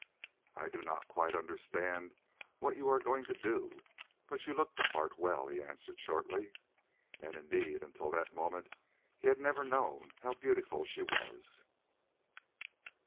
"I do not quite understand what you are going to do, but you look the part well," he answered shortly. And, indeed, until that moment he had never known how beautiful she was.